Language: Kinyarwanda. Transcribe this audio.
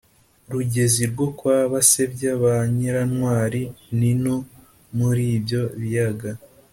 rugezi rwo kwa basebya ba nyirantwari. ni no muri ibyo biyaga